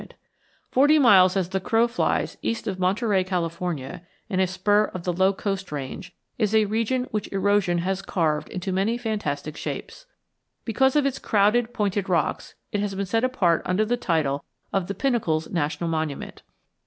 Darion_ THE DEVIL'S TOWER] Forty miles as the crow flies east of Monterey, California, in a spur of the low Coast Range, is a region which erosion has carved into many fantastic shapes. Because of its crowded pointed rocks, it has been set apart under the title of the Pinnacles National Monument.